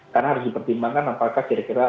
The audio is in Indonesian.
karena harus dipertimbangkan apakah kira kira